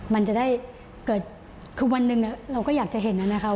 มันจะได้เกิดคือวันหนึ่งเราก็อยากจะเห็นนะคะ